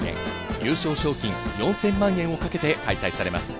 優勝賞金４０００万円をかけて開催されます。